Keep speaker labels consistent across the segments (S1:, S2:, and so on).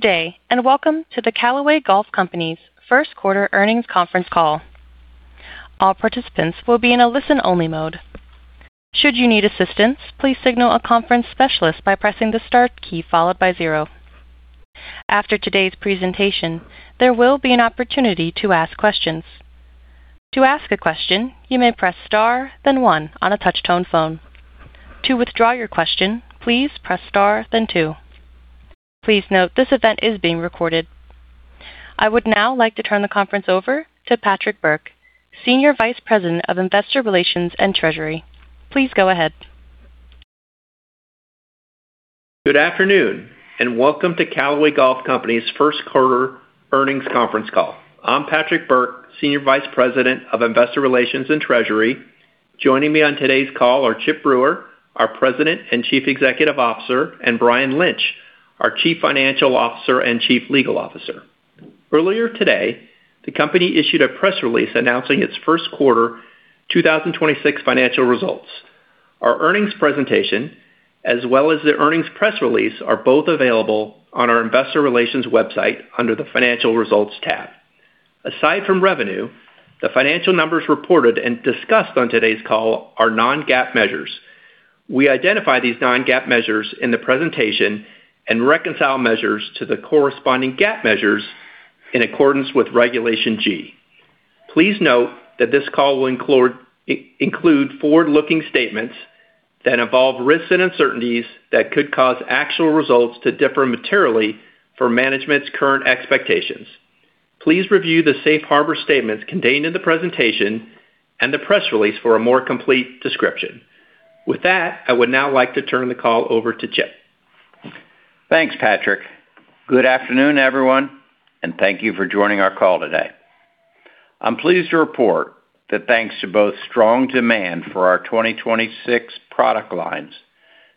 S1: Good day, welcome to the Callaway Golf Company's first quarter earnings conference call. All participants will be in a listen-only mode. Should you need assistance, please signal a conference specialist by pressing the start key followed by zero. After today's presentation, there will be an opportunity to ask questions. To ask a question, you may press star then one on a touch-tone phone. To withdraw your question, please press star then two. Please note this event is being recorded. I would now like to turn the conference over to Patrick Burke, Senior Vice President of Investor Relations and Treasury. Please go ahead.
S2: Good afternoon, welcome to Callaway Golf Company's first quarter earnings conference call. I'm Patrick Burke, Senior Vice President of Investor Relations and Treasury. Joining me on today's call are Chip Brewer, our President and Chief Executive Officer, and Brian Lynch, our Chief Financial Officer and Chief Legal Officer. Earlier today, the company issued a press release announcing its first quarter 2026 financial results. Our earnings presentation, as well as the earnings press release, are both available on our investor relations website under the Financial Results tab. Aside from revenue, the financial numbers reported and discussed on today's call are non-GAAP measures. We identify these non-GAAP measures in the presentation and reconcile measures to the corresponding GAAP measures in accordance with Regulation G. Please note that this call will include forward-looking statements that involve risks and uncertainties that could cause actual results to differ materially from management's current expectations. Please review the safe harbor statements contained in the presentation and the press release for a more complete description. With that, I would now like to turn the call over to Chip.
S3: Thanks, Patrick. Good afternoon, everyone, thank you for joining our call today. I'm pleased to report that thanks to both strong demand for our 2026 product lines,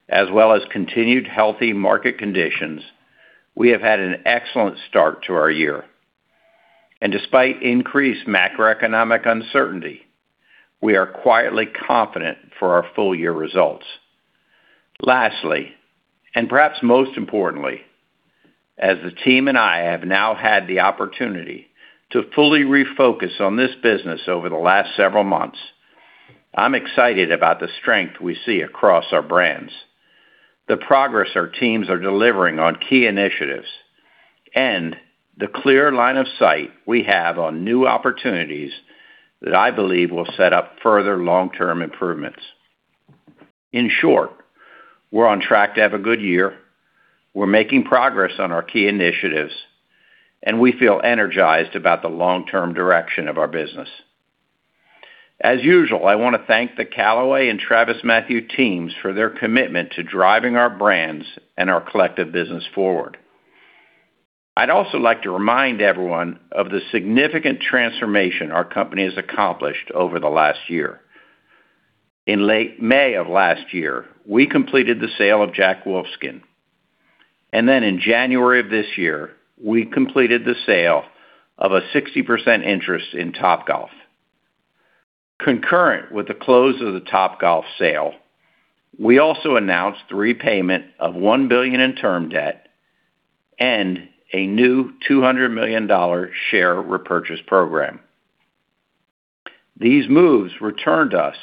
S3: as well as continued healthy market conditions, we have had an excellent start to our year. Despite increased macroeconomic uncertainty, we are quietly confident for our full year results. Lastly, perhaps most importantly, as the team and I have now had the opportunity to fully refocus on this business over the last several months, I'm excited about the strength we see across our brands, the progress our teams are delivering on key initiatives, and the clear line of sight we have on new opportunities that I believe will set up further long-term improvements. In short, we're on track to have a good year, we're making progress on our key initiatives, and we feel energized about the long-term direction of our business. As usual, I wanna thank the Callaway and TravisMathew teams for their commitment to driving our brands and our collective business forward. I'd also like to remind everyone of the significant transformation our company has accomplished over the last year. In late May of last year, we completed the sale of Jack Wolfskin, and then in January of this year, we completed the sale of a 60% interest in Topgolf. Concurrent with the close of the Topgolf sale, we also announced the repayment of $1 billion in term debt and a new $200 million share repurchase program. These moves returned us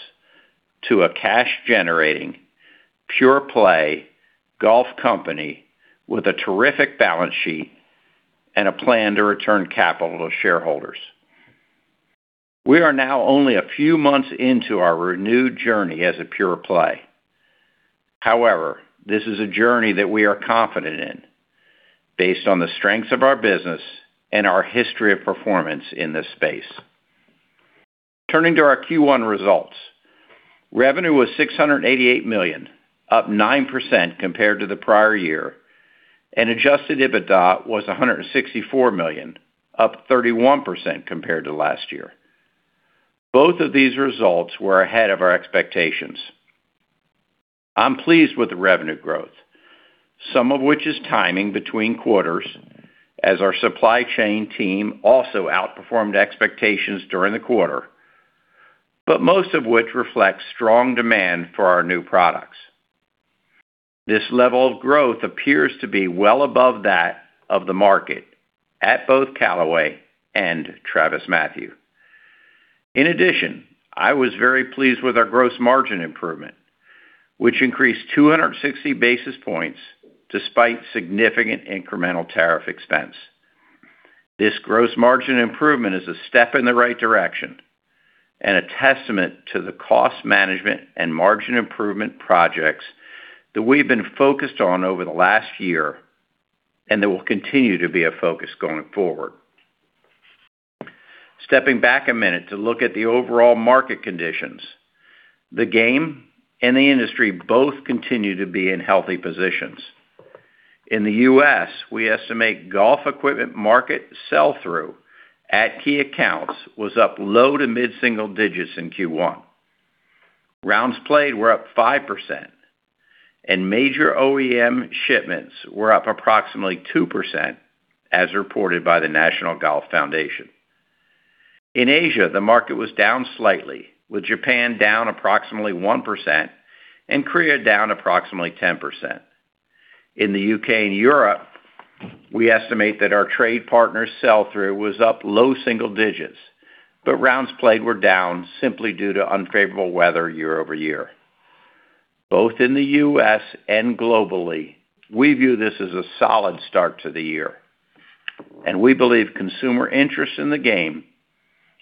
S3: to a cash-generating, pure-play golf company with a terrific balance sheet and a plan to return capital to shareholders. We are now only a few months into our renewed journey as a pure play. This is a journey that we are confident in based on the strengths of our business and our history of performance in this space. Turning to our Q1 results, revenue was $688 million, up 9% compared to the prior year, and adjusted EBITDA was $164 million, up 31% compared to last year. Both of these results were ahead of our expectations. I'm pleased with the revenue growth, some of which is timing between quarters, as our supply chain team also outperformed expectations during the quarter, but most of which reflects strong demand for our new products. This level of growth appears to be well above that of the market at both Callaway and TravisMathew. In addition, I was very pleased with our gross margin improvement, which increased 260 basis points despite significant incremental tariff expense. This gross margin improvement is a step in the right direction and a testament to the cost management and margin improvement projects that we've been focused on over the last year and that will continue to be a focus going forward. Stepping back a minute to look at the overall market conditions, the game and the industry both continue to be in healthy positions. In the U.S., we estimate golf equipment market sell-through at key accounts was up low to mid-single digits in Q1. Rounds played were up 5%, and major OEM shipments were up approximately 2% as reported by the National Golf Foundation. In Asia, the market was down slightly, with Japan down approximately 1% and Korea down approximately 10%. In the U.K. and Europe, we estimate that our trade partners' sell-through was up low single digits, but rounds played were down simply due to unfavorable weather year-over-year. Both in the U.S. and globally, we view this as a solid start to the year, and we believe consumer interest in the game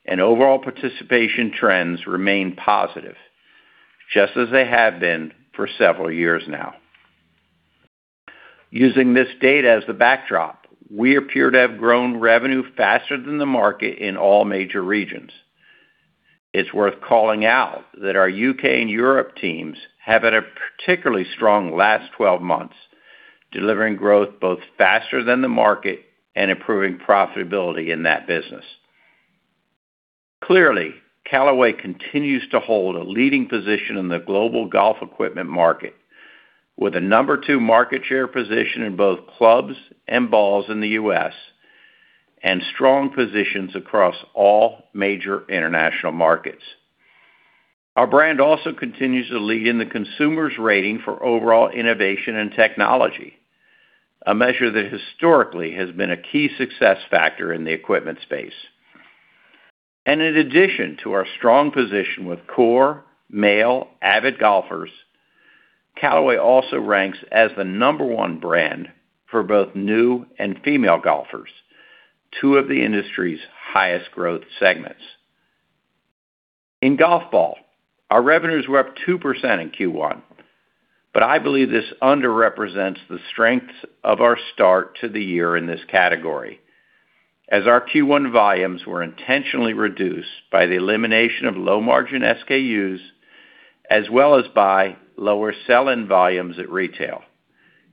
S3: and overall participation trends remain positive, just as they have been for several years now. Using this data as the backdrop, we appear to have grown revenue faster than the market in all major regions. It's worth calling out that our U.K. and Europe teams have had a particularly strong last 12 months, delivering growth both faster than the market and improving profitability in that business. Clearly, Callaway continues to hold a leading position in the global golf equipment market, with a number two market share position in both clubs and balls in the U.S. and strong positions across all major international markets. Our brand also continues to lead in the consumer's rating for overall innovation and technology, a measure that historically has been a key success factor in the equipment space. In addition to our strong position with core male avid golfers, Callaway also ranks as the number one brand for both new and female golfers, two of the industry's highest growth segments. In golf ball, our revenues were up 2% in Q1, but I believe this underrepresents the strength of our start to the year in this category, as our Q1 volumes were intentionally reduced by the elimination of low-margin SKUs, as well as by lower sell-in volumes at retail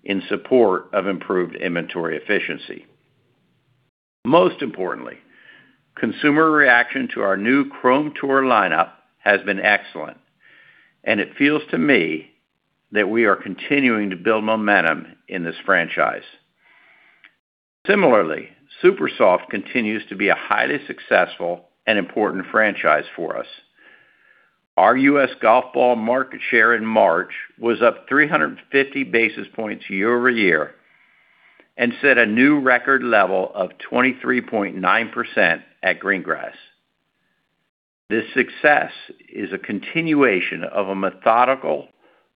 S3: in support of improved inventory efficiency. Most importantly, consumer reaction to our new Chrome Tour lineup has been excellent, and it feels to me that we are continuing to build momentum in this franchise. Similarly, Supersoft continues to be a highly successful and important franchise for us. Our U.S. golf ball market share in March was up 350 basis points year-over-year and set a new record level of 23.9% at green grass. This success is a continuation of a methodical,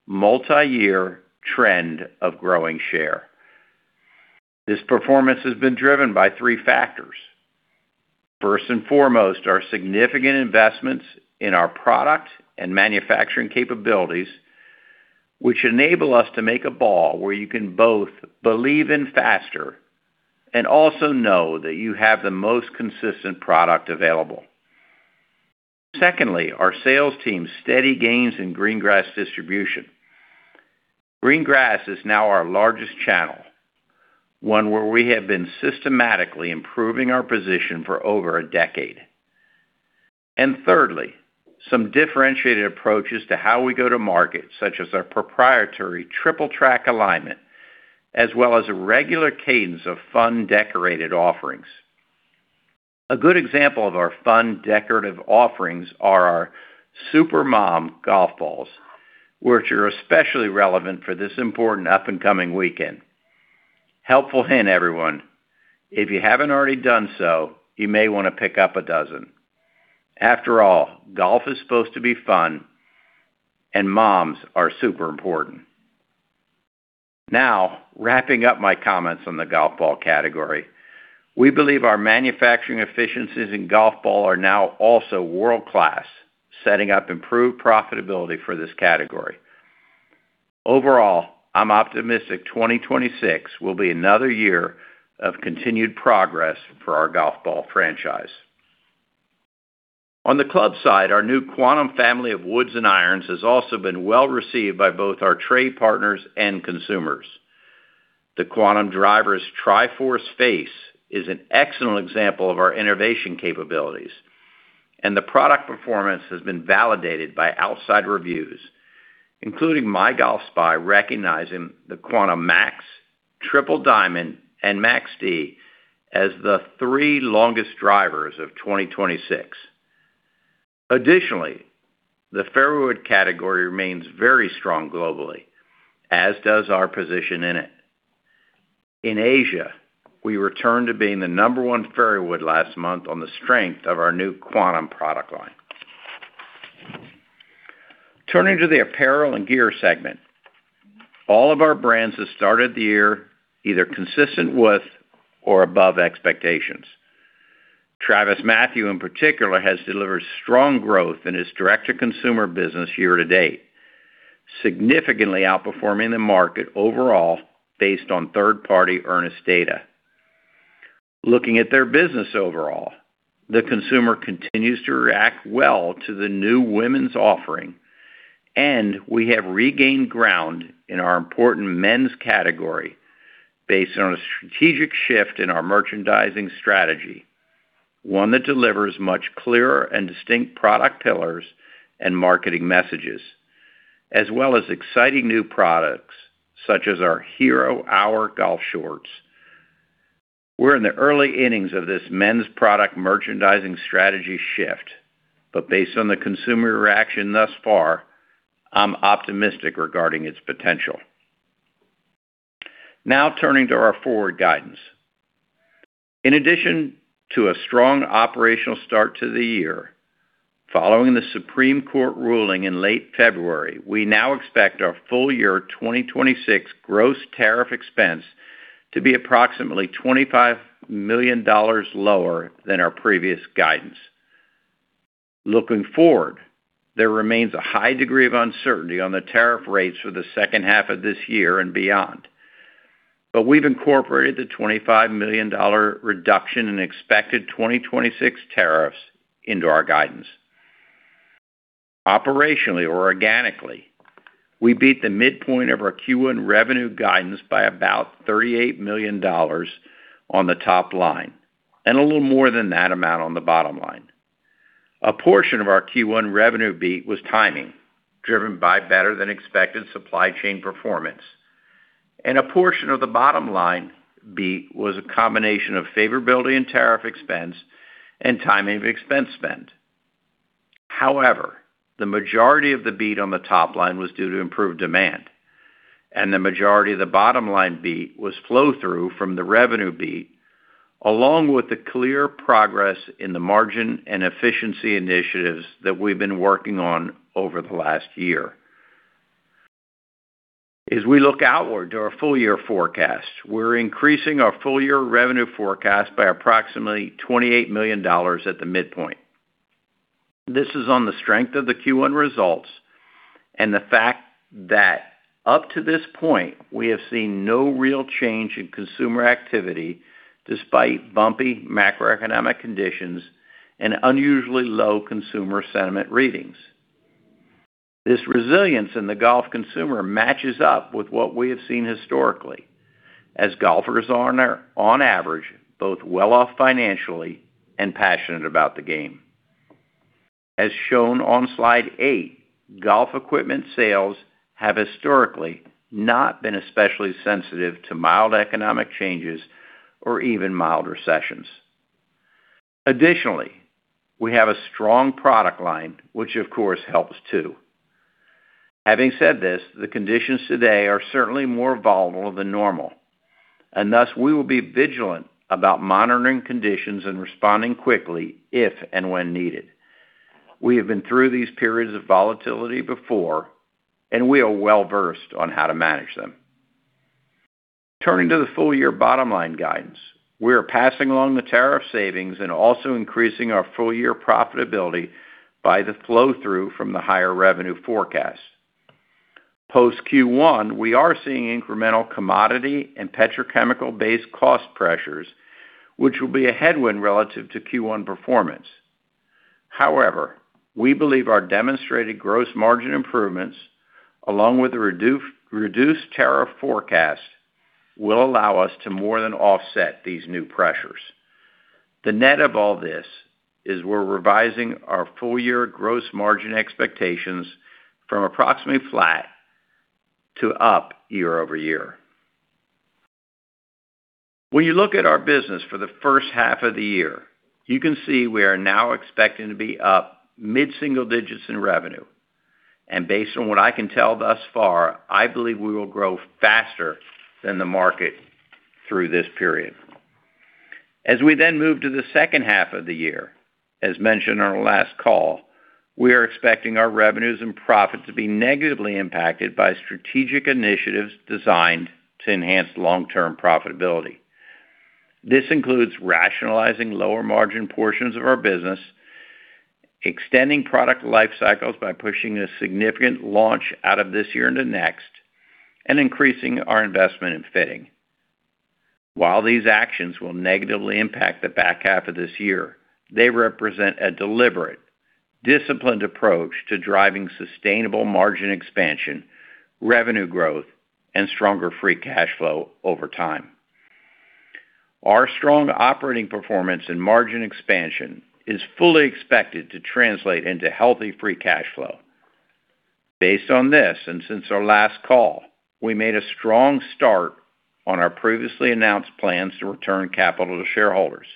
S3: multi-year trend of growing share. This performance has been driven by three factors. First and foremost, our significant investments in our product and manufacturing capabilities, which enable us to make a ball where you can both believe in faster and also know that you have the most consistent product available. Secondly, our sales team's steady gains in Green Grass distribution. Green Grass is now our largest channel, one where we have been systematically improving our position for over a decade. Thirdly, some differentiated approaches to how we go to market, such as our proprietary Triple Track alignment, as well as a regular cadence of fun decorated offerings. A good example of our fun decorative offerings are our Super Mom golf balls, which are especially relevant for this important up-and-coming weekend. Helpful hint, everyone, if you haven't already done so, you may wanna pick up a dozen. After all, golf is supposed to be fun, and moms are super important. Now, wrapping up my comments on the golf ball category, we believe our manufacturing efficiencies in golf ball are now also world-class, setting up improved profitability for this category. Overall, I'm optimistic 2026 will be another year of continued progress for our golf ball franchise. On the club side, our new Quantum family of woods and irons has also been well-received by both our trade partners and consumers. The Quantum driver's Tri-Force face is an excellent example of our innovation capabilities, and the product performance has been validated by outside reviews, including MyGolfSpy recognizing the Quantum Max, Triple Diamond, and Max D as the three longest drivers of 2026. Additionally, the fairway wood category remains very strong globally, as does our position in it. In Asia, we returned to being the number one fairway wood last month on the strength of our new Quantum product line. Turning to the apparel and gear segment. All of our brands have started the year either consistent with or above expectations. TravisMathew, in particular, has delivered strong growth in its direct-to-consumer business year to date, significantly outperforming the market overall based on third-party Earnest data. Looking at their business overall, the consumer continues to react well to the new women's offering, and we have regained ground in our important men's category based on a strategic shift in our merchandising strategy, one that delivers much clearer and distinct product pillars and marketing messages. As well as exciting new products such as our Hero Hour golf shorts. We're in the early innings of this men's product merchandising strategy shift, but based on the consumer reaction thus far, I'm optimistic regarding its potential. Now turning to our forward guidance. In addition to a strong operational start to the year, following the Supreme Court ruling in late February, we now expect our full year 2026 gross tariff expense to be approximately $25 million lower than our previous guidance. Looking forward, there remains a high degree of uncertainty on the tariff rates for the second half of this year and beyond. We've incorporated the $25 million reduction in expected 2026 tariffs into our guidance. Operationally or organically, we beat the midpoint of our Q1 revenue guidance by about $38 million on the top line, and a little more than that amount on the bottom line. A portion of our Q1 revenue beat was timing, driven by better than expected supply chain performance, and a portion of the bottom line beat was a combination of favorability in tariff expense and timing of expense spend. The majority of the beat on the top line was due to improved demand, and the majority of the bottom line beat was flow-through from the revenue beat, along with the clear progress in the margin and efficiency initiatives that we've been working on over the last year. We look outward to our full year forecast, we're increasing our full year revenue forecast by approximately $28 million at the midpoint. This is on the strength of the Q1 results and the fact that up to this point, we have seen no real change in consumer activity despite bumpy macroeconomic conditions and unusually low consumer sentiment readings. This resilience in the golf consumer matches up with what we have seen historically, as golfers on average, both well off financially and passionate about the game. As shown on slide eigth, golf equipment sales have historically not been especially sensitive to mild economic changes or even mild recessions. Additionally, we have a strong product line, which of course helps too. Having said this, the conditions today are certainly more volatile than normal, and thus we will be vigilant about monitoring conditions and responding quickly if and when needed. We have been through these periods of volatility before, and we are well-versed on how to manage them. Turning to the full year bottom line guidance, we are passing along the tariff savings and also increasing our full year profitability by the flow-through from the higher revenue forecast. Post Q1, we are seeing incremental commodity and petrochemical-based cost pressures, which will be a headwind relative to Q1 performance. We believe our demonstrated gross margin improvements, along with the reduced tariff forecast, will allow us to more than offset these new pressures. The net of all this is we're revising our full year gross margin expectations from approximately flat to up year-over-year. When you look at our business for the first half of the year, you can see we are now expecting to be up mid-single digits in revenue. Based on what I can tell thus far, I believe we will grow faster than the market through this period. We then move to the second half of the year, as mentioned on our last call, we are expecting our revenues and profit to be negatively impacted by strategic initiatives designed to enhance long-term profitability. This includes rationalizing lower margin portions of our business, extending product life cycles by pushing a significant launch out of this year into next, and increasing our investment in fitting. While these actions will negatively impact the back half of this year, they represent a deliberate, disciplined approach to driving sustainable margin expansion, revenue growth, and stronger free cash flow over time. Our strong operating performance and margin expansion is fully expected to translate into healthy free cash flow. Based on this, and since our last call, we made a strong start on our previously announced plans to return capital to shareholders,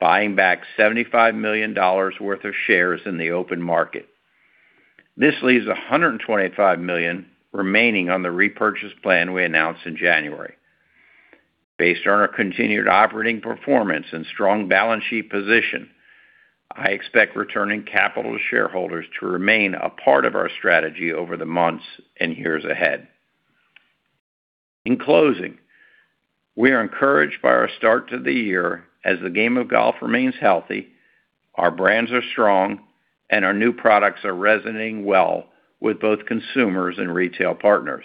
S3: buying back $75 million worth of shares in the open market. This leaves $125 million remaining on the repurchase plan we announced in January. Based on our continued operating performance and strong balance sheet position, I expect returning capital to shareholders to remain a part of our strategy over the months and years ahead. In closing, we are encouraged by our start to the year as the game of golf remains healthy, our brands are strong, and our new products are resonating well with both consumers and retail partners.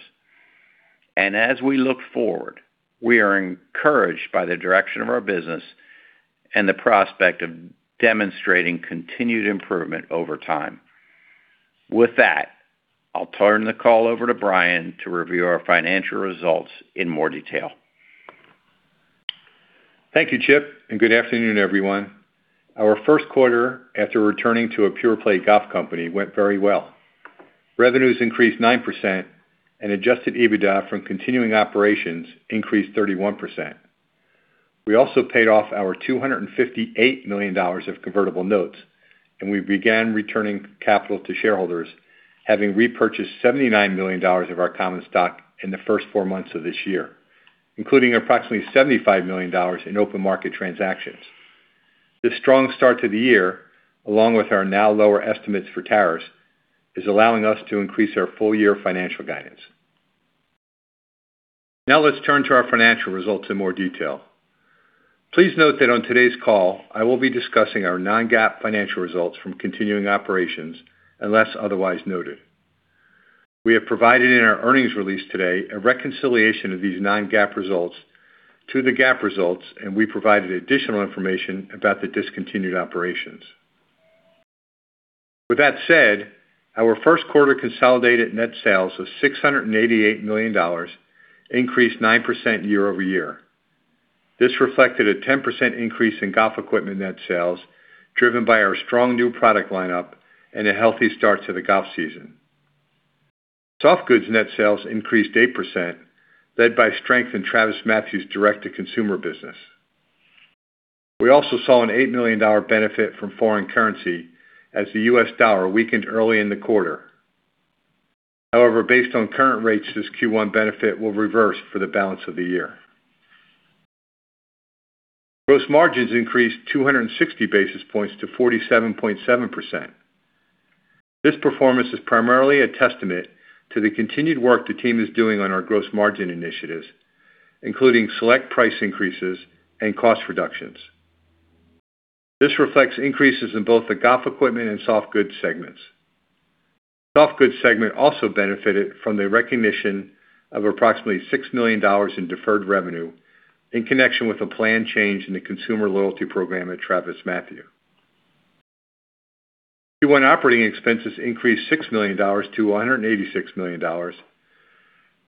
S3: As we look forward, we are encouraged by the direction of our business and the prospect of demonstrating continued improvement over time. With that, I'll turn the call over to Brian to review our financial results in more detail.
S4: Thank you, Chip, and good afternoon, everyone. Our first quarter after returning to a pure play golf company went very well. Revenues increased 9% and adjusted EBITDA from continuing operations increased 31%. We also paid off our $258 million of convertible notes, and we began returning capital to shareholders, having repurchased $79 million of our common stock in the first four months of this year, including approximately $75 million in open market transactions. This strong start to the year, along with our now lower estimates for tariffs, is allowing us to increase our full year financial guidance. Now let's turn to our financial results in more detail. Please note that on today's call, I will be discussing our non-GAAP financial results from continuing operations unless otherwise noted. We have provided in our earnings release today a reconciliation of these non-GAAP results to the GAAP results, and we provided additional information about the discontinued operations. With that said, our first quarter consolidated net sales of $688 million increased 9% year-over-year. This reflected a 10% increase in golf equipment net sales, driven by our strong new product lineup and a healthy start to the golf season. Softgoods net sales increased 8%, led by strength in TravisMathew's direct-to-consumer business. We also saw an $8 million benefit from foreign currency as the U.S. dollar weakened early in the quarter. However, based on current rates, this Q1 benefit will reverse for the balance of the year. Gross margins increased 260 basis points to 47.7%. This performance is primarily a testament to the continued work the team is doing on our gross margin initiatives, including select price increases and cost reductions. This reflects increases in both the golf equipment and softgoods segments. Softgoods segment also benefited from the recognition of approximately $6 million in deferred revenue in connection with a planned change in the consumer loyalty program at TravisMathew. Q1 operating expenses increased $6 million to $186 million,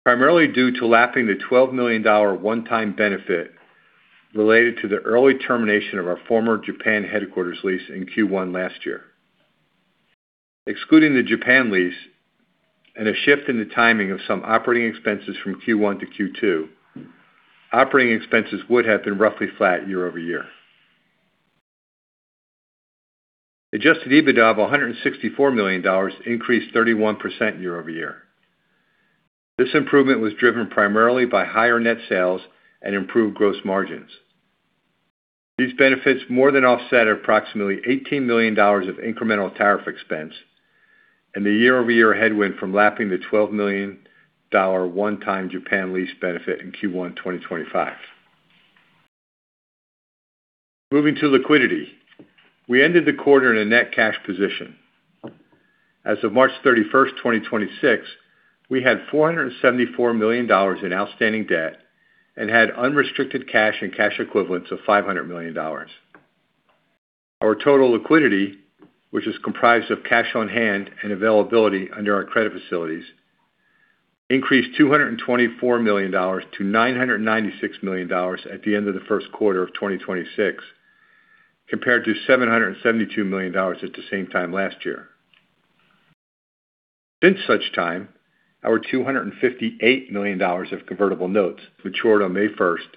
S4: primarily due to lapping the $12 million one-time benefit related to the early termination of our former Japan headquarters lease in Q1 last year. Excluding the Japan lease and a shift in the timing of some operating expenses from Q1 to Q2, operating expenses would have been roughly flat year-over-year. Adjusted EBITDA of $164 million increased 31% year-over-year. This improvement was driven primarily by higher net sales and improved gross margins. These benefits more than offset approximately $18 million of incremental tariff expense and the year-over-year headwind from lapping the $12 million one-time Japan lease benefit in Q1 2025. Moving to liquidity. We ended the quarter in a net cash position. As of March 31, 2026, we had $474 million in outstanding debt and had unrestricted cash and cash equivalents of $500 million. Our total liquidity, which is comprised of cash on hand and availability under our credit facilities, increased $224 million to $996 million at the end of the first quarter of 2026, compared to $772 million at the same time last year. Since such time, our $258 million of convertible notes matured on May first.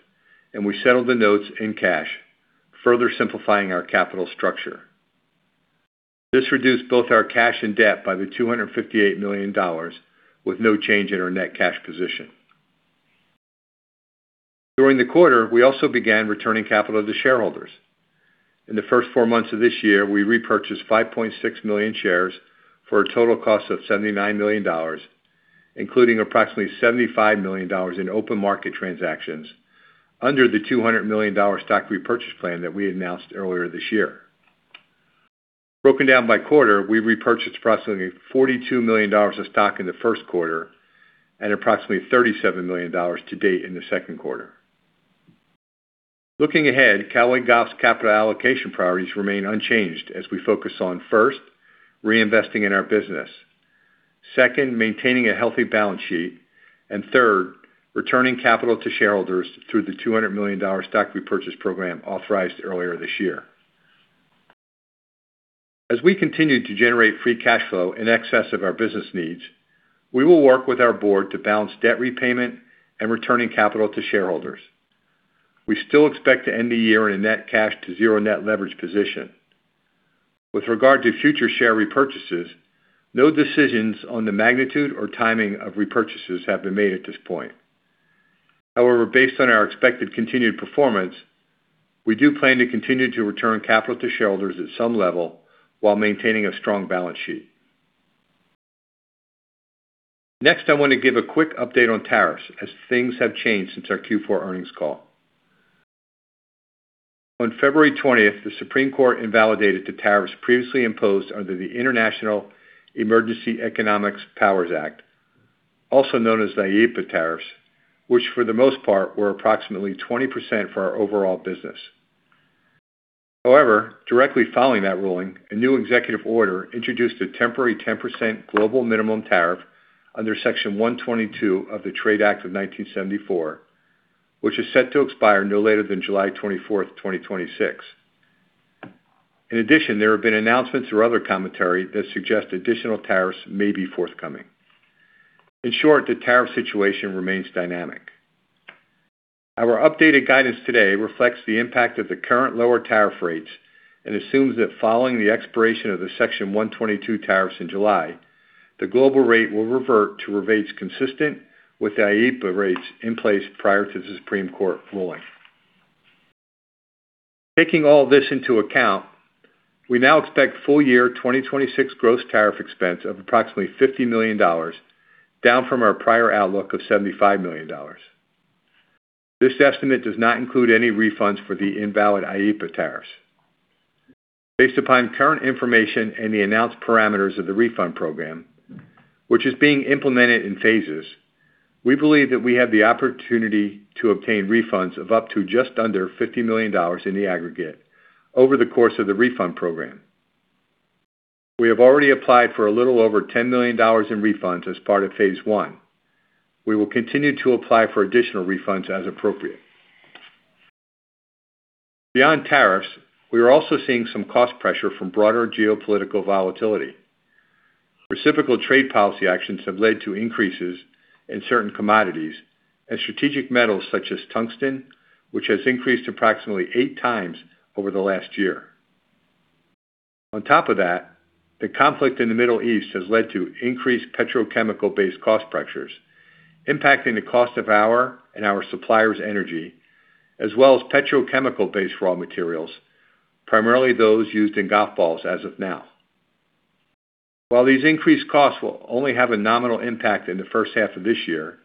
S4: We settled the notes in cash, further simplifying our capital structure. This reduced both our cash and debt by $258 million with no change in our net cash position. During the quarter, we also began returning capital to shareholders. In the first four months of this year, we repurchased 5.6 million shares for a total cost of $79 million, including approximately $75 million in open market transactions under the $200 million stock repurchase plan that we announced earlier this year. Broken down by quarter, we repurchased approximately $42 million of stock in the first quarter and approximately $37 million to date in the second quarter. Looking ahead, Callaway Golf's capital allocation priorities remain unchanged as we focus on, first, reinvesting in our business, second, maintaining a healthy balance sheet, and third, returning capital to shareholders through the $200 million stock repurchase program authorized earlier this year. As we continue to generate free cash flow in excess of our business needs, we will work with our board to balance debt repayment and returning capital to shareholders. We still expect to end the year in a net cash to zero net leverage position. With regard to future share repurchases, no decisions on the magnitude or timing of repurchases have been made at this point. However, based on our expected continued performance, we do plan to continue to return capital to shareholders at some level while maintaining a strong balance sheet. Next, I want to give a quick update on tariffs as things have changed since our Q4 earnings call. On February 20th, the Supreme Court invalidated the tariffs previously imposed under the International Emergency Economic Powers Act, also known as IEEPA tariffs, which for the most part were approximately 20% for our overall business. Directly following that ruling, a new executive order introduced a temporary 10% global minimum tariff under Section 122 of the Trade Act of 1974, which is set to expire no later than July 24th, 2026. In addition, there have been announcements or other commentary that suggest additional tariffs may be forthcoming. The tariff situation remains dynamic. Our updated guidance today reflects the impact of the current lower tariff rates and assumes that following the expiration of the Section 122 tariffs in July, the global rate will revert to rates consistent with the IEEPA rates in place prior to the Supreme Court ruling. Taking all this into account, we now expect full year 2026 gross tariff expense of approximately $50 million, down from our prior outlook of $75 million. This estimate does not include any refunds for the invalid IEEPA tariffs. Based upon current information and the announced parameters of the refund program, which is being implemented in phases, we believe that we have the opportunity to obtain refunds of up to just under $50 million in the aggregate over the course of the refund program. We have already applied for a little over $10 million in refunds as part of phase I. We will continue to apply for additional refunds as appropriate. Beyond tariffs, we are also seeing some cost pressure from broader geopolitical volatility. Reciprocal trade policy actions have led to increases in certain commodities and strategic metals such as tungsten, which has increased approximately 8x over the last year. On top of that, the conflict in the Middle East has led to increased petrochemical-based cost pressures, impacting the cost of our and our suppliers' energy, as well as petrochemical-based raw materials, primarily those used in golf balls as of now. While these increased costs will only have a nominal impact in the first half of this year,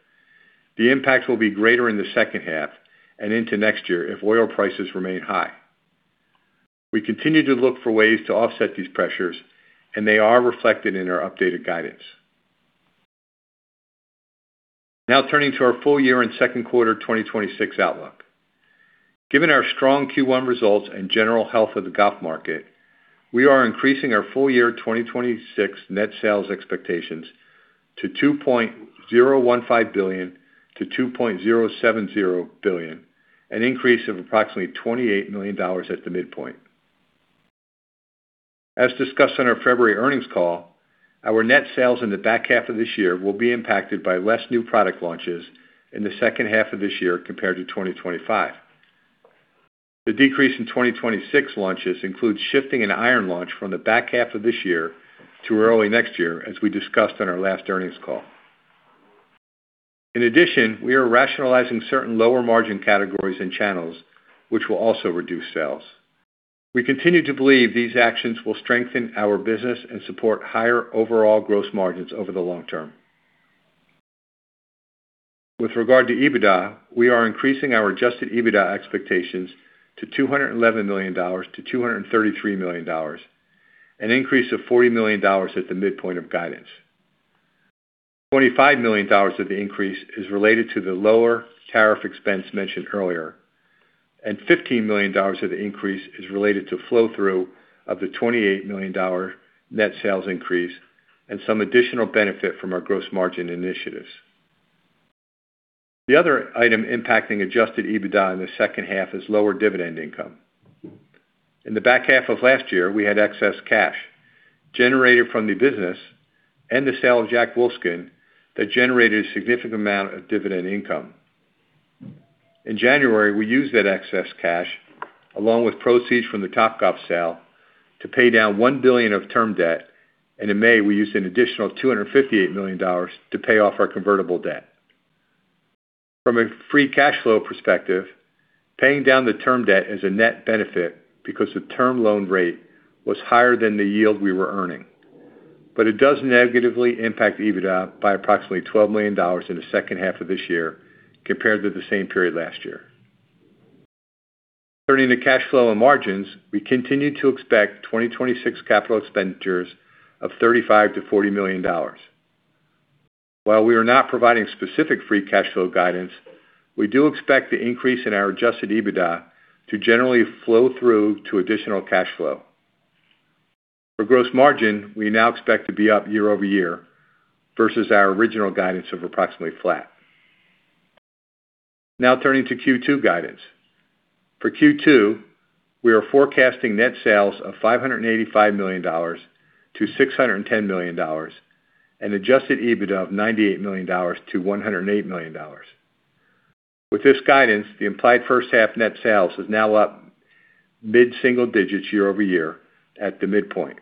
S4: the impact will be greater in the second half and into next year if oil prices remain high. We continue to look for ways to offset these pressures, and they are reflected in our updated guidance. Now turning to our full year and second quarter 2026 outlook. Given our strong Q1 results and general health of the golf market, we are increasing our full year 2026 net sales expectations to $2.015 billion-$2.070 billion, an increase of approximately $28 million at the midpoint. As discussed on our February earnings call, our net sales in the back half of this year will be impacted by less new product launches in the second half of this year compared to 2025. The decrease in 2026 launches includes shifting an iron launch from the back half of this year to early next year, as we discussed on our last earnings call. In addition, we are rationalizing certain lower margin categories and channels, which will also reduce sales. We continue to believe these actions will strengthen our business and support higher overall gross margins over the long term. With regard to EBITDA, we are increasing our adjusted EBITDA expectations to $211 million-$233 million, an increase of $40 million at the midpoint of guidance. $25 million of the increase is related to the lower tariff expense mentioned earlier, and $15 million of the increase is related to flow-through of the $28 million net sales increase and some additional benefit from our gross margin initiatives. The other item impacting adjusted EBITDA in the second half is lower dividend income. In the back half of last year, we had excess cash generated from the business and the sale of Jack Wolfskin that generated a significant amount of dividend income. In January, we used that excess cash, along with proceeds from the Topgolf sale, to pay down $1 billion of term debt, and in May, we used an additional $258 million to pay off our convertible debt. From our free cash flow perspective, paying down the term debt is a net benefit because of term loan rate, was higher than the yield we were earning. But it does negatively impact EBITDA by approximately $12 million in the second half of this year compared to the same period last year. Turning to cash flow and margins, we continue to expect 2026 capital expenditures of $35 million-$40 million. While we are not providing specific free cash flow guidance, we do expect the increase in our adjusted EBITDA to generally flow through to additional cash flow. For gross margin, we now expect to be up year-over-year versus our original guidance of approximately flat. Now turning to Q2 guidance. For Q2, we are forecasting net sales of $585 million-$610 million and adjusted EBITDA of $98 million-$108 million. With this guidance, the implied first half net sales is now up mid-single digits year-over-year at the midpoint,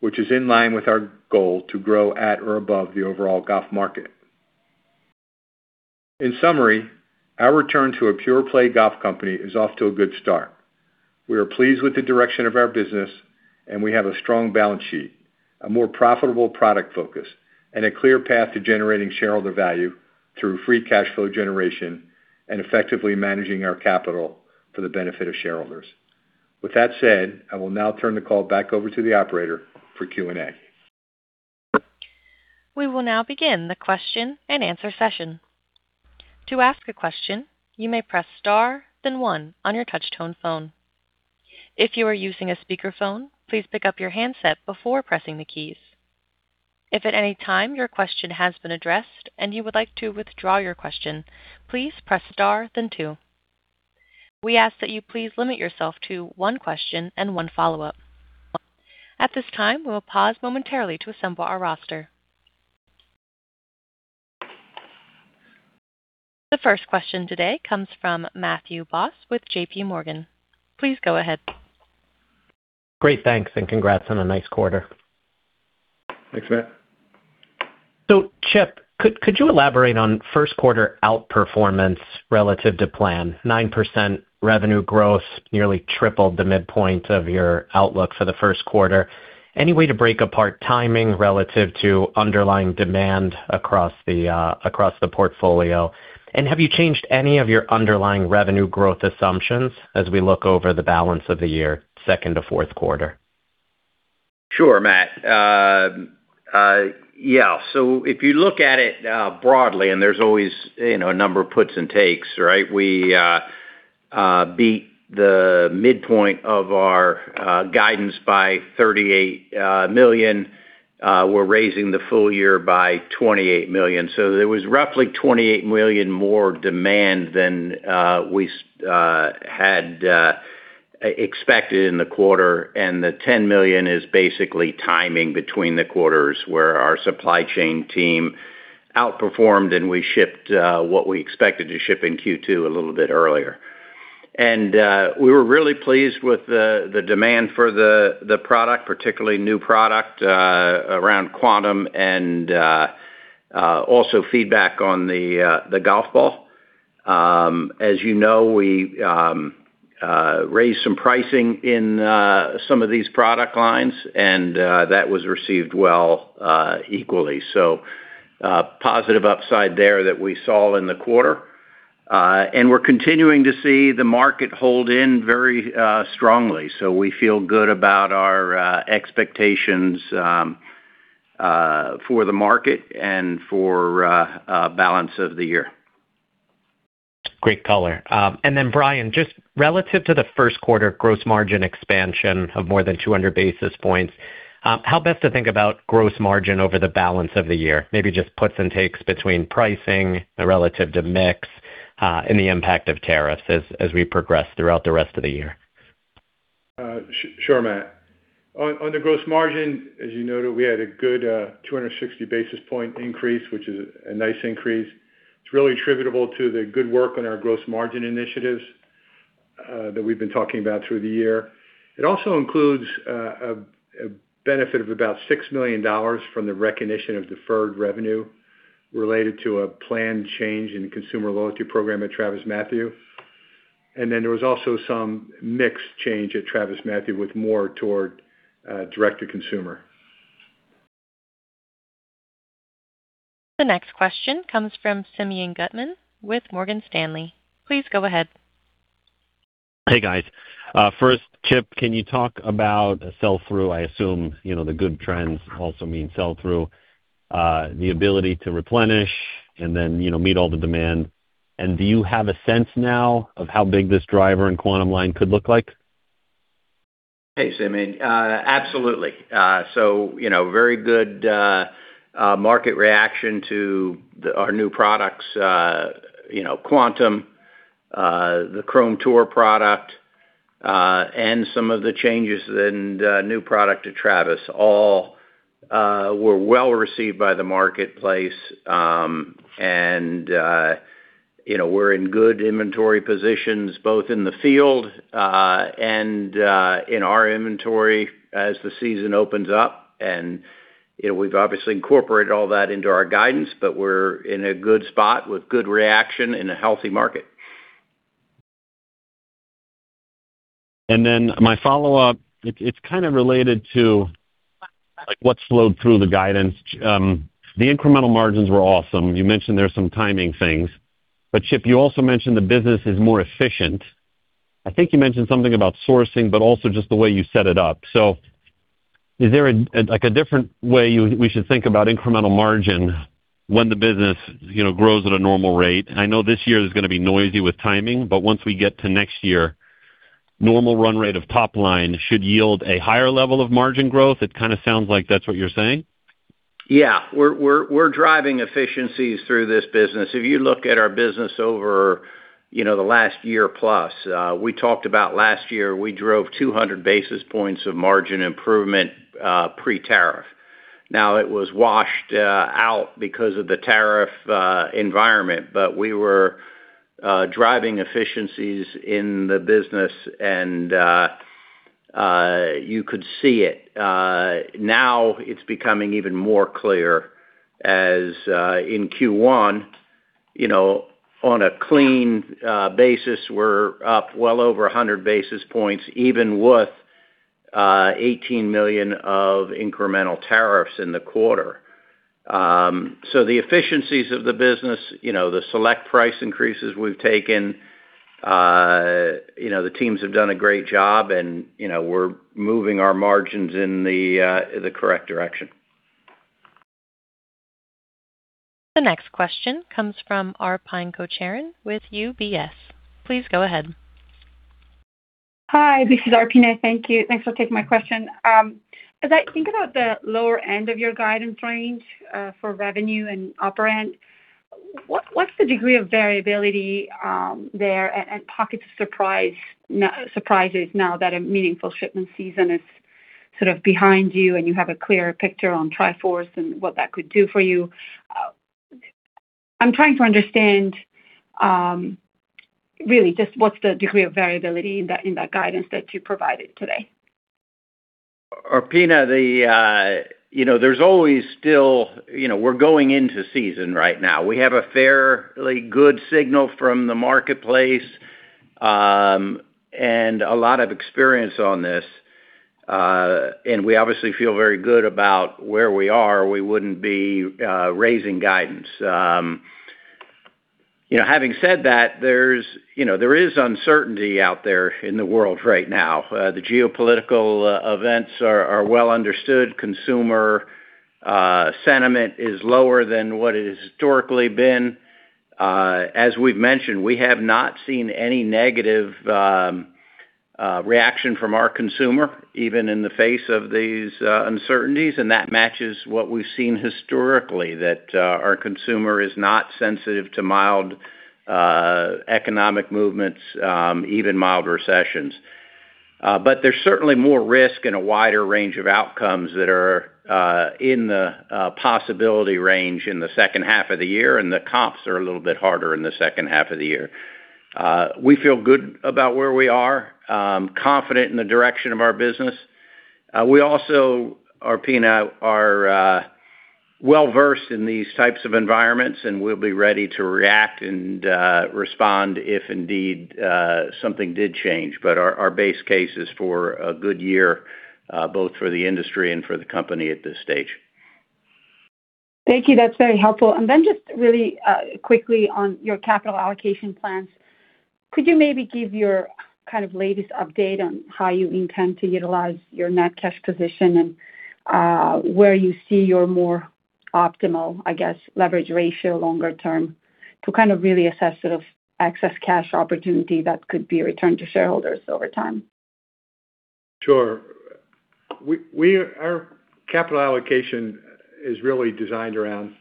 S4: which is in line with our goal to grow at or above the overall golf market. In summary, our return to a pure play golf company is off to a good start. We are pleased with the direction of our business, and we have a strong balance sheet, a more profitable product focus, and a clear path to generating shareholder value through free cash flow generation and effectively managing our capital for the benefit of shareholders. With that said, I will now turn the call back over to the operator for Q&A.
S1: We will now begin the question-and-answer session. To ask a question, you may press star then one on your touch-tone phone. If you are a using a speaker phone, please pick-up your handset before pressing the keys. If at anytime your question has been addressed and you would like to withdraw your question, please press star then two. We ask that you please limit your self to one question and one follow-up. At this time, we will pause momentarily to assemble our roster. The first question today comes from Matthew Boss with JPMorgan. Please go ahead.
S5: Great, thanks, and congrats on a nice quarter.
S4: Thanks, Matt.
S5: Chip, could you elaborate on 1st quarter outperformance relative to plan? 9% revenue growth nearly tripled the midpoint of your outlook for the 1st quarter. Any way to break apart timing relative to underlying demand across the portfolio? Have you changed any of your underlying revenue growth assumptions as we look over the balance of the year, second to fourth quarter?
S3: Sure, Matt. If you look at it broadly, and there's always, you know, a number of puts and takes, right? We beat the midpoint of our guidance by $38 million. We're raising the full year by $28 million. There was roughly $28 million more demand than we had expected in the quarter, and the $10 million is basically timing between the quarters where our supply chain team outperformed, and we shipped what we expected to ship in Q2 a little bit earlier. We were really pleased with the demand for the product, particularly new product, around Quantum and also feedback on the golf ball. As you know, we raised some pricing in some of these product lines and that was received well equally. Positive upside there that we saw in the quarter. We're continuing to see the market hold in very strongly. We feel good about our expectations for the market and for balance of the year.
S5: Great color. Then Brian, just relative to the first quarter gross margin expansion of more than 200 basis points, how best to think about gross margin over the balance of the year? Maybe just puts and takes between pricing relative to mix, and the impact of tariffs as we progress throughout the rest of the year.
S4: Sure, Matt. On the gross margin, as you noted, we had a good 260 basis point increase, which is a nice increase. It's really attributable to the good work on our gross margin initiatives that we've been talking about through the year. It also includes a benefit of about $6 million from the recognition of deferred revenue related to a planned change in consumer loyalty program at TravisMathew. Then there was also some mix change at TravisMathew with more toward direct-to-consumer.
S1: The next question comes from Simeon Gutman with Morgan Stanley. Please go ahead.
S6: Hey, guys. First, Chip, can you talk about a sell-through? I assume, you know, the good trends also mean sell-through, the ability to replenish and then, you know, meet all the demand. Do you have a sense now of how big this driver in Quantum line could look like?
S3: Hey, Simeon. Absolutely. You know, very good market reaction to the, our new products, you know, Quantum, the Chrome Tour product, and some of the changes in new product to TravisMathew. All were well-received by the marketplace. You know, we're in good inventory positions both in the field and in our inventory as the season opens up. You know, we've obviously incorporated all that into our guidance, but we're in a good spot with good reaction in a healthy market.
S6: My follow-up, it's kind of related to what slowed through the guidance. The incremental margins were awesome. You mentioned there's some timing things. Chip, you also mentioned the business is more efficient. I think you mentioned something about sourcing, but also just the way you set it up. Is there a different way we should think about incremental margin when the business grows at a normal rate? I know this year is going to be noisy with timing, but once we get to next year, normal run rate of top line should yield a higher level of margin growth. It kind of sounds like that's what you're saying.
S3: We're driving efficiencies through this business. If you look at our business over, you know, the last year plus, we talked about last year, we drove 200 basis points of margin improvement, pre-tariff. It was washed out because of the tariff environment, but we were driving efficiencies in the business and you could see it. Now it's becoming even more clear as in Q1, you know, on a clean basis, we're up well over 100 basis points, even with $18 million of incremental tariffs in the quarter. The efficiencies of the business, you know, the select price increases we've taken. You know, the teams have done a great job and, you know, we're moving our margins in the correct direction.
S1: The next question comes from Arpiné Kocharian with UBS. Please go ahead.
S7: Hi, this is Arpiné. Thank you. Thanks for taking my question. As I think about the lower end of your guidance range, for revenue and upper end, what's the degree of variability there and pockets of no surprises now that a meaningful shipment season is sort of behind you and you have a clearer picture on Tri-Force and what that could do for you? I'm trying to understand really just what's the degree of variability in that guidance that you provided today.
S3: Arpiné, the, you know, there's always still You know, we're going into season right now. We have a fairly good signal from the marketplace, and a lot of experience on this. We obviously feel very good about where we are. We wouldn't be raising guidance. You know, having said that, there's, you know, there is uncertainty out there in the world right now. The geopolitical events are well understood. Consumer sentiment is lower than what it has historically been. As we've mentioned, we have not seen any negative reaction from our consumer, even in the face of these uncertainties, and that matches what we've seen historically, that our consumer is not sensitive to mild economic movements, even mild recessions. But there's certainly more risk and a wider range of outcomes that are in the possibility range in the second half of the year, and the comps are a little bit harder in the second half of the year. We feel good about where we are, confident in the direction of our business. We also, Arpiné, are well-versed in these types of environments, and we'll be ready to react and respond if indeed something did change. Our base case is for a good year, both for the industry and for the company at this stage.
S7: Thank you. That's very helpful. Just really quickly on your capital allocation plans, could you maybe give your kind of latest update on how you intend to utilize your net cash position and where you see your more optimal, I guess, leverage ratio longer term to kind of really assess sort of excess cash opportunity that could be returned to shareholders over time?
S4: Sure. Our capital allocation is really designed around,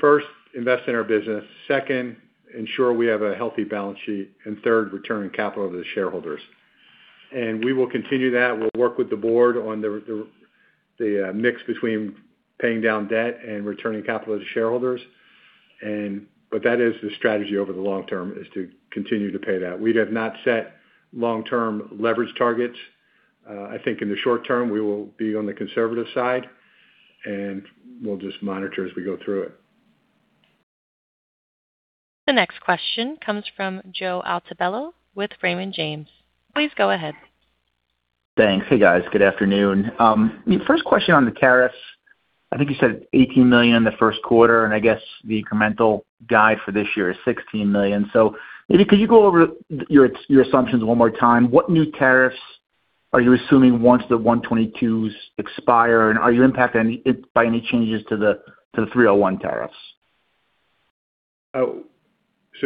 S4: first, invest in our business, second, ensure we have a healthy balance sheet, and third, returning capital to the shareholders. We will continue that. We'll work with the board on the mix between paying down debt and returning capital to shareholders. But that is the strategy over the long term, is to continue to pay that. We have not set long-term leverage targets. I think in the short term, we will be on the conservative side, and we'll just monitor as we go through it.
S1: The next question comes from Joe Altobello with Raymond James. Please go ahead.
S8: Thanks. Hey, guys. Good afternoon. First question on the tariffs. I think you said $18 million in the first quarter, I guess the incremental guide for this year is $16 million. Maybe could you go over your assumptions one more time? What new tariffs are you assuming once the 122s expire, are you impacted, any, by any changes to the 301 tariffs?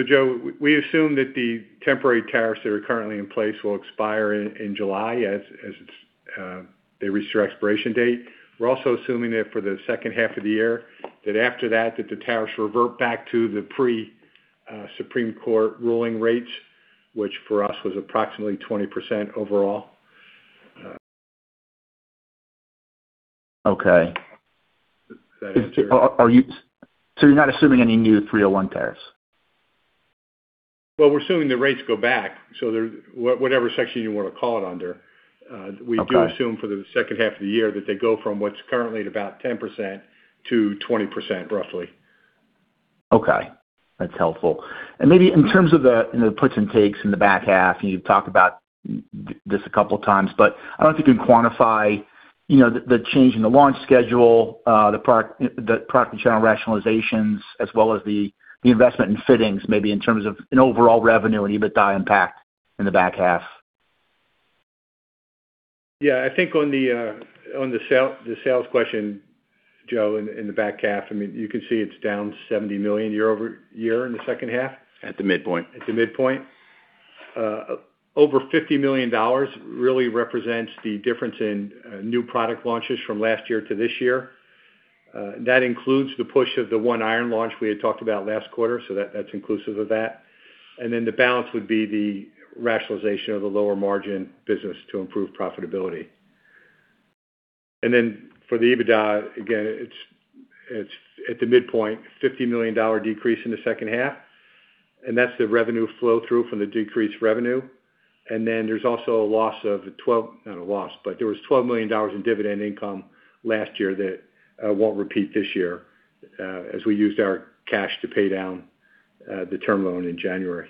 S4: Joe, we assume that the temporary tariffs that are currently in place will expire in July as it's, they reach their expiration date. We're also assuming that for the second half of the year, that after that the tariffs revert back to the pre-Supreme Court ruling rates, which for us was approximately 20% overall.
S8: Okay.
S4: Does that answer?
S8: You're not assuming any new Section 301 tariffs?
S4: Well, we're assuming the rates go back, they're whatever section you wanna call it under.
S8: Okay
S4: We do assume for the second half of the year that they go from what's currently at about 10% to 20%, roughly.
S8: Okay. That's helpful. Maybe in terms of the, you know, puts and takes in the back half, you've talked about this a couple times, but I don't know if you can quantify, you know, the change in the launch schedule, the product and channel rationalizations, as well as the investment in fittings, maybe in terms of an overall revenue and EBITDA impact in the back half.
S4: Yeah. I think on the the sales question, Joe, in the back half, I mean, you can see it's down $70 million year-over-year in the second half.
S8: At the midpoint.
S4: At the midpoint. Over $50 million really represents the difference in new product launches from last year to this year. That includes the push of the one iron launch we had talked about last quarter, so that's inclusive of that. The balance would be the rationalization of the lower margin business to improve profitability. For the EBITDA, again, it's at the midpoint, $50 million decrease in the second half, and that's the revenue flow through from the decreased revenue. There's also, not a loss, but there was $12 million in dividend income last year that won't repeat this year, as we used our cash to pay down the term loan in January.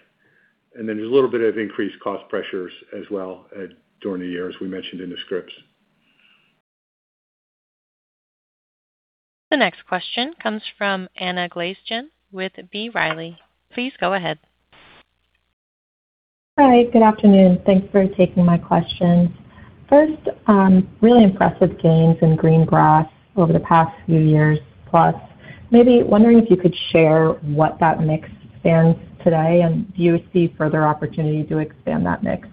S4: There's a little bit of increased cost pressures as well, during the year, as we mentioned in the scripts.
S1: The next question comes from Anna Glaessgen with B. Riley. Please go ahead.
S9: Hi, good afternoon. Thanks for taking my questions. First, really impressive gains in Green Grass over the past few years, plus maybe wondering if you could share what that mix stands today, and do you see further opportunity to expand that mix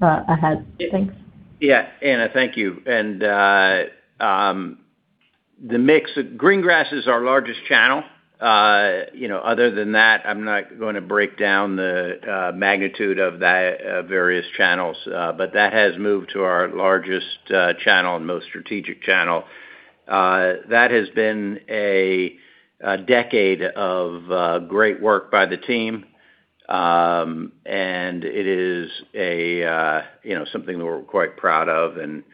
S9: ahead? Thanks.
S3: Yeah, Anna, thank you. The mix of green grass is our largest channel. you know, other than that, I'm not gonna break down the magnitude of that various channels, but that has moved to our largest channel and most strategic channel. That has been a decade of great work by the team. It is a, you know, something that we're quite proud of and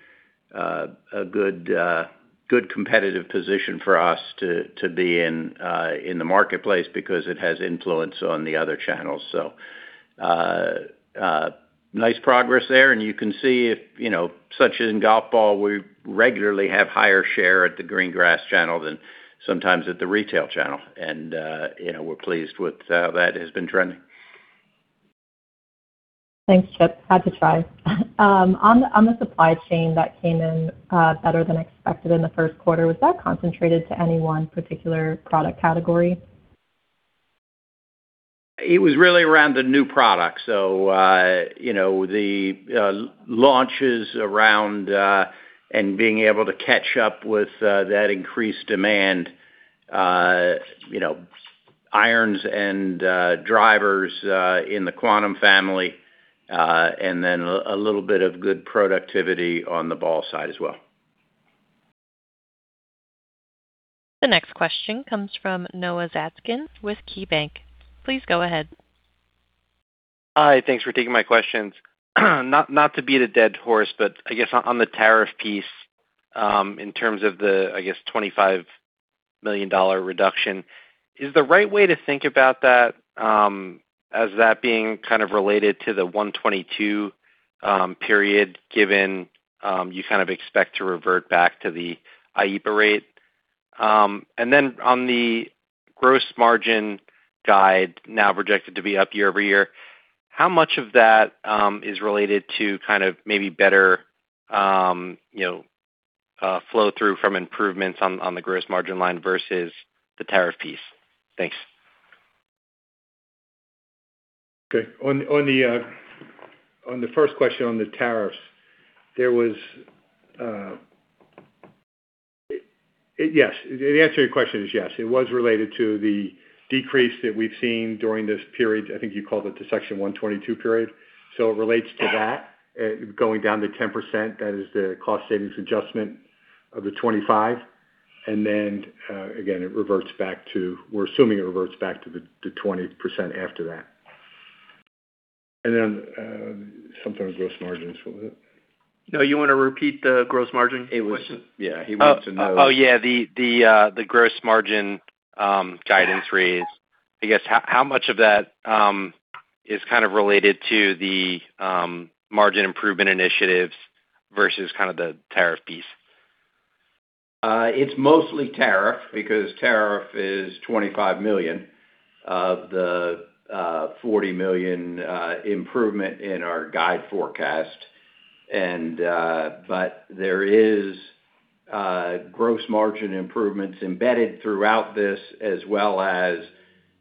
S3: a good competitive position for us to be in the marketplace because it has influence on the other channels. Nice progress there, you can see if, you know, such as in golf ball, we regularly have higher share at the green grass channel than sometimes at the retail channel. you know, we're pleased with how that has been trending.
S9: Thanks, Chip. Had to try. On the supply chain that came in, better than expected in the first quarter, was that concentrated to any one particular product category?
S3: It was really around the new product. You know, the launches around and being able to catch up with that increased demand, you know, irons and drivers in the Quantum family, and then a little bit of good productivity on the ball side as well.
S1: The next question comes from Noah Zatzkin with KeyBanc. Please go ahead.
S10: Hi, thanks for taking my questions. Not to beat a dead horse, but I guess on the tariff piece, in terms of the, I guess, $25 million reduction, is the right way to think about that, as that being kind of related to the 122 period, given you kind of expect to revert back to the IEEPA rate? And then on the gross margin guide now projected to be up year-over-year, how much of that is related to kind of maybe better, you know, flow through from improvements on the gross margin line versus the tariff piece? Thanks.
S4: Okay. On the first question on the tariffs, yes. The answer to your question is yes. It was related to the decrease that we've seen during this period. I think you called it the Section 122 period. It relates to that, going down to 10%. That is the cost savings adjustment of the 25%. Again, it reverts back to. We're assuming it reverts back to the 20% after that. Something on gross margins. What was it?
S3: No, you wanna repeat the gross margin question?
S10: It was-
S4: Yeah, he wanted to know.
S10: Yeah, the gross margin guidance raise, I guess, how much of that is kind of related to the margin improvement initiatives versus kind of the tariff piece?
S3: It's mostly tariff, because tariff is $25 million of the $40 million improvement in our guide forecast. But there is gross margin improvements embedded throughout this, as well as,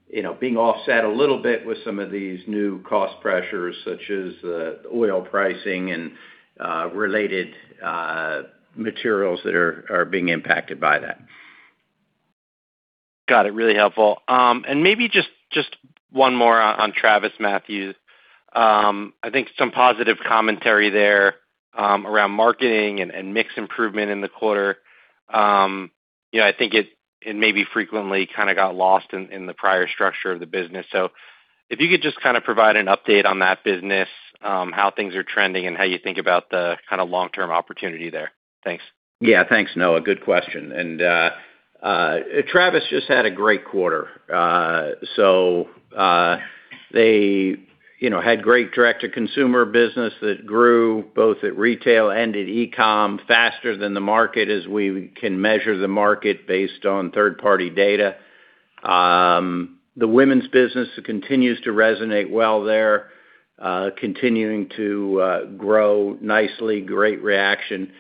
S3: you know, being offset a little bit with some of these new cost pressures, such as oil pricing and related materials that are being impacted by that.
S10: Got it. Really helpful. Maybe just one more on TravisMathew. I think some positive commentary there around marketing and mix improvement in the quarter. You know, I think it may be frequently kinda got lost in the prior structure of the business. If you could just kinda provide an update on that business, how things are trending and how you think about the kinda long-term opportunity there. Thanks.
S3: Thanks, Noah. Good question. TravisMathew just had a great quarter. They, you know, had great direct-to-consumer business that grew both at retail and at e-com faster than the market as we can measure the market based on third-party data. The women's business continues to resonate well there, continuing to grow nicely, great reaction.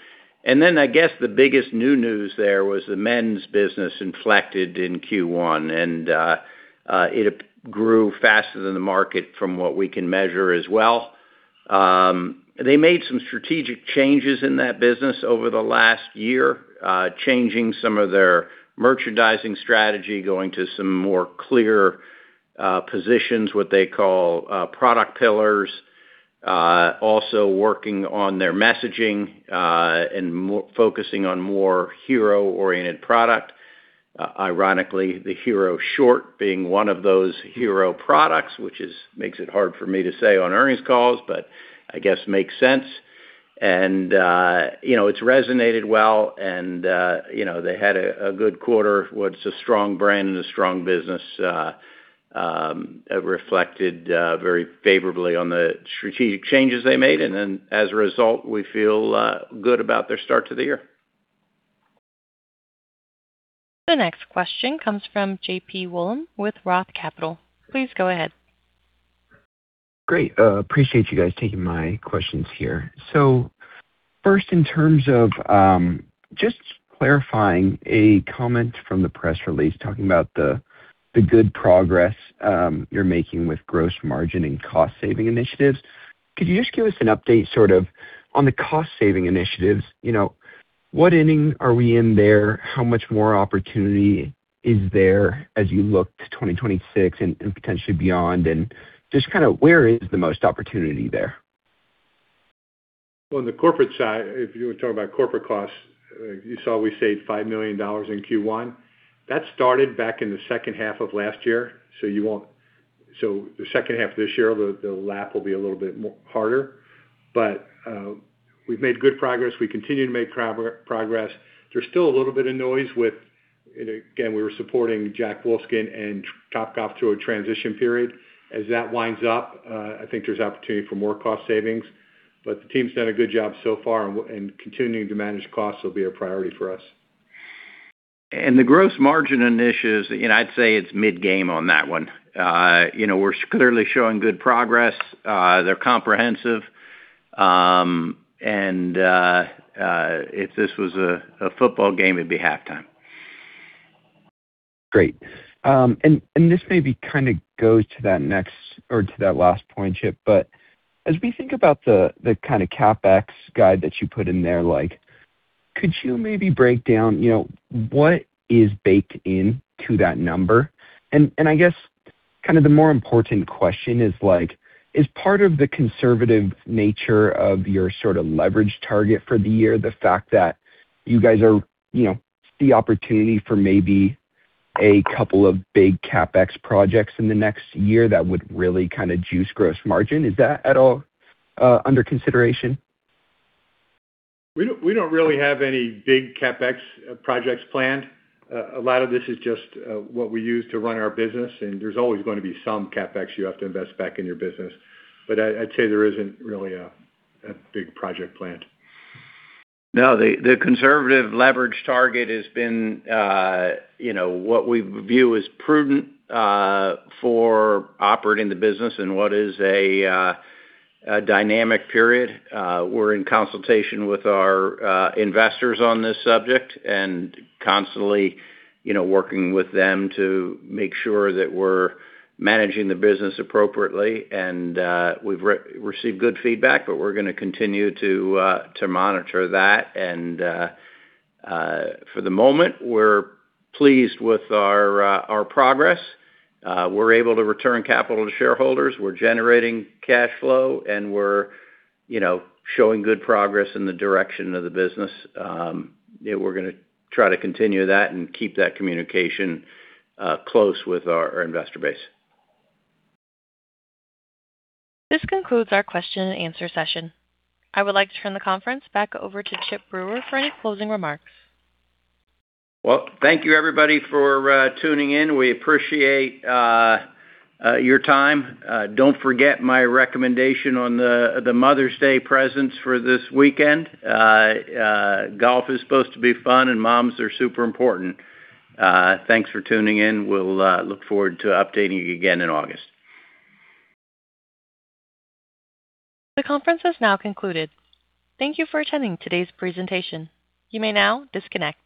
S3: I guess the biggest new news there was the men's business inflected in Q1, and it grew faster than the market from what we can measure as well. They made some strategic changes in that business over the last year, changing some of their merchandising strategy, going to some more clear positions, what they call product pillars. Also working on their messaging, and focusing on more hero-oriented product. Ironically, the Hero Short being one of those hero products, which makes it hard for me to say on earnings calls, but I guess makes sense. You know, it's resonated well, and you know, they had a good quarter. It's a strong brand and a strong business, reflected very favorably on the strategic changes they made, as a result, we feel good about their start to the year.
S1: The next question comes from JP Wollam with ROTH Capital. Please go ahead.
S11: Great. Appreciate you guys taking my questions here. First, in terms of just clarifying a comment from the press release talking about the good progress you're making with gross margin and cost-saving initiatives. Could you just give us an update sort of on the cost-saving initiatives? You know, what inning are we in there? How much more opportunity is there as you look to 2026 and potentially beyond? Just kinda where is the most opportunity there?
S4: Well, on the corporate side, if you wanna talk about corporate costs, you saw we saved $5 million in Q1. That started back in the second half of last year, so the second half of this year, the lap will be a little bit harder. We've made good progress. We continue to make progress. There's still a little bit of noise with, and again, we were supporting Jack Wolfskin and Topgolf through a transition period. As that winds up, I think there's opportunity for more cost savings. The team's done a good job so far, and continuing to manage costs will be a priority for us.
S3: The gross margin initiatives, you know, I'd say it's mid-game on that one. You know, we're clearly showing good progress. They're comprehensive. If this was a football game, it'd be halftime.
S11: Great. This maybe kinda goes to that next or to that last point, Chip, as we think about the kinda CapEx guide that you put in there, like, could you maybe break down, you know, what is baked into that number? I guess kind of the more important question is, like, is part of the conservative nature of your sort of leverage target for the year the fact that you guys are, you know, the opportunity for maybe a couple of big CapEx projects in the next year that would really kinda juice gross margin? Is that at all under consideration?
S4: We don't really have any big CapEx projects planned. A lot of this is just what we use to run our business, and there's always gonna be some CapEx you have to invest back in your business. I'd say there isn't really a big project planned.
S3: No, the conservative leverage target has been, you know, what we view as prudent for operating the business in what is a dynamic period. We're in consultation with our investors on this subject and constantly, you know, working with them to make sure that we're managing the business appropriately. We've received good feedback, but we're gonna continue to monitor that. For the moment, we're pleased with our progress. We're able to return capital to shareholders. We're generating cash flow, and we're, you know, showing good progress in the direction of the business. Yeah, we're gonna try to continue that and keep that communication close with our investor base.
S1: This concludes our question and answer session. I would like to turn the conference back over to Chip Brewer for any closing remarks.
S3: Well, thank you everybody for tuning in. We appreciate your time. Don't forget my recommendation on the Mother's Day presents for this weekend. Golf is supposed to be fun, and moms are super important. Thanks for tuning in. We'll look forward to updating you again in August.
S1: The conference has now concluded. Thank you for attending today's presentation. You may now disconnect.